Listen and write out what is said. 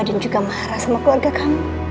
juga marah sama keluarga kamu